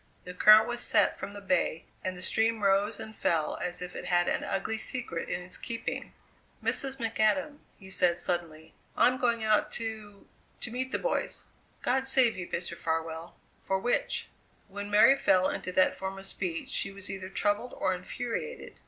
The current was set from the Bay, and the stream rose and fell as if it had an ugly secret in its keeping. "Mrs. McAdam," he said suddenly, "I'm going out to to meet the boys!" "God save ye, Mr. Farwell for which?" When Mary fell into that form of speech she was either troubled or infuriated.